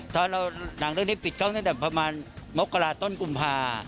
ถ้าเราหนังเรื่องนี้ปิดกล้องตั้งแต่ประมาณมกราต้นกุมภา